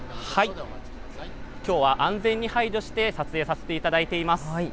きょうは安全に配慮して撮影させていただいています。